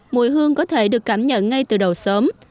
mùi hương có thể được cảm nhận ngay từ đầu sớm